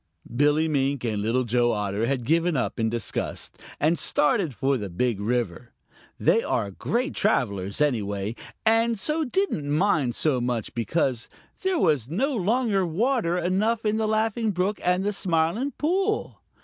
Billy Mink and Little Joe Otter had given up in disgust and started for the Big River. They are great travelers, anyway, and so didn't mind so much because there was no longer water enough in the Laughing Brook and the Smiling Pool.